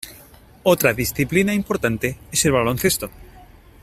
Otra disciplina importante es el baloncesto.